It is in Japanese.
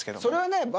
それはね